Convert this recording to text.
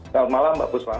selamat malam mbak busma